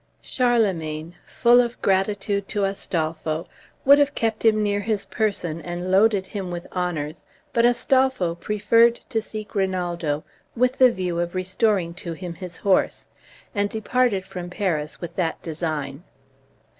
Charlemagne, full of gratitude to Astolpho, would have kept him near his person and loaded him with honors, but Astolpho preferred to seek Rinaldo, with the view of restoring to him his horse, and departed from Paris with that design.